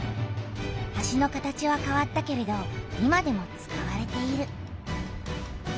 橋の形はかわったけれど今でも使われている。